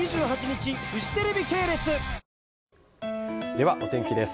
では、お天気です。